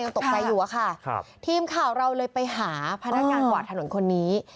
ตกใจอยู่อะค่ะครับทีมข่าวเราเลยไปหาพนักงานกวาดถนนคนนี้